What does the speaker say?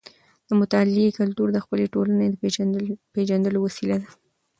د مطالعې کلتور د خپلې ټولنې د پیژندلو وسیله ده.